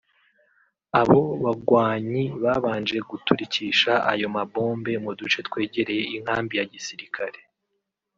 abo bagwanyi babanje guturikisha ayo ma bombe mu duce twegereye inkambi ya gisirikare